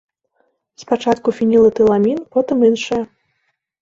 Спачатку фенілэтыламін, потым іншыя.